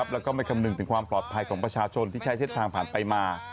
แล้วก็ไม่คำนึงถึงความปลอดภัยของประชาชนที่ใช้เส้นทางผ่านไปมา